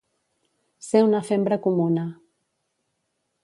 Ser una fembra comuna.